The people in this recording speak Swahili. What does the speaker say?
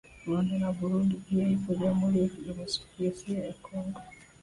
Rwanda na Burundi pia ipo Jamhuri Ya Kidemokrasia ya Congo